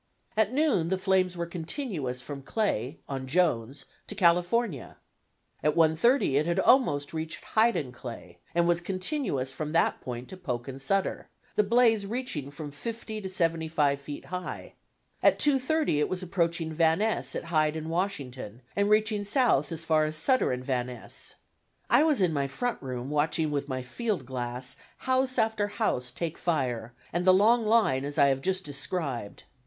At noon the flames were continuous from Clay, on Jones, to California. At 1:30 it had almost reached Hyde and Clay, and was continuous from that point to Polk and Sutter, the blaze reaching from 50 to 75 feet high. At 2:30 it was approaching Van Ness at Hyde and Washington, and reaching south as far as Sutter and Van Ness. I was in my front room watching with my field glass, house after house take fire and the long line as I have just described.